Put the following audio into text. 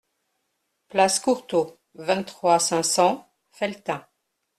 Place Courtaud, vingt-trois, cinq cents Felletin